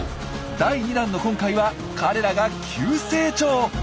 第２弾の今回は彼らが急成長！